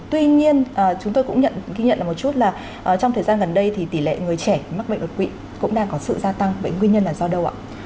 tuy nhiên chúng tôi cũng nhận ghi nhận là một chút là trong thời gian gần đây thì tỷ lệ người trẻ mắc bệnh đột quỵ cũng đang có sự gia tăng bệnh nguyên nhân là do đâu ạ